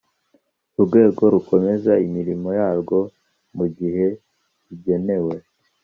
urwego rukomeza imirimo yarwo mu gihe kigenwe